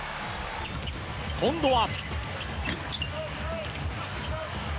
今度は。